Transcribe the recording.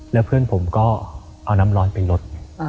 แล้วเพื่อนผมก็เอาน้ำร้อนไปลด